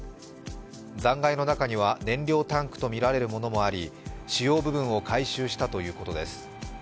残骸の中には燃料タンクとみられるものもあり、主要部分を回収したということです。